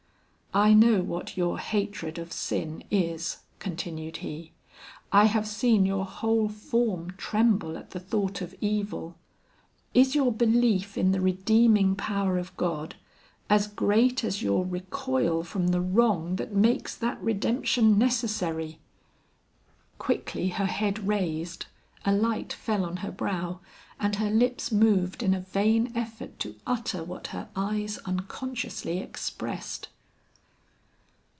"I know what your hatred of sin is," continued he. "I have seen your whole form tremble at the thought of evil. Is your belief in the redeeming power of God as great as your recoil from the wrong that makes that redemption necessary?" Quickly her head raised, a light fell on her brow, and her lips moved in a vain effort to utter what her eyes unconsciously expressed.